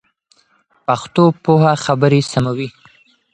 پښتو پوهه خبري سموي.